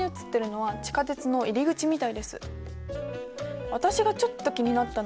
はい。